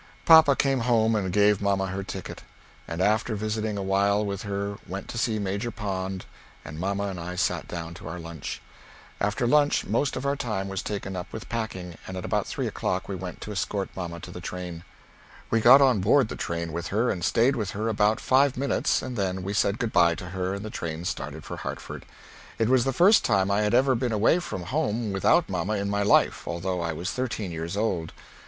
Papa came home and gave mamma her ticket; and after visiting a while with her went to see Major Pond and mamma and I sat down to our lunch. After lunch most of our time was taken up with packing, and at about three o'clock we went to escort mamma to the train. We got on board the train with her and stayed with her about five minutes and then we said good bye to her and the train started for Hartford. It was the first time I had ever beene away from home without mamma in my life, although I was 13 yrs. old.